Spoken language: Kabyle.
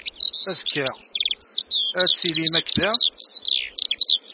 Azekka, ad tilim akk da?